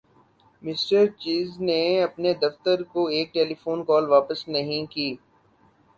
mister چِیز نے اپنے دفتر کو ایک ٹیلیفون کال واپس نہیں کی